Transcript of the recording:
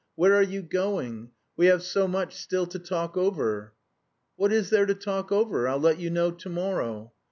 "Where are you going? We have so much still to talk over...." "What is there to talk over? I'll let you know to morrow."